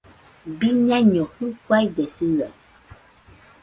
Biñaiño jɨfaide jɨaɨ